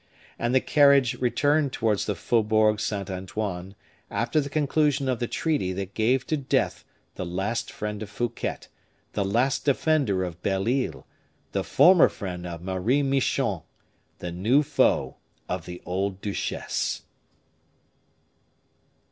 And the carriage returned towards the Faubourg Saint Antoine, after the conclusion of the treaty that gave to death the last friend of Fouquet, the last defender of Belle Isle, the former friend of Marie Michon, the new foe of the old duchesse.